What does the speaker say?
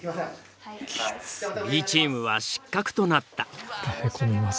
Ｂチームは失格となった。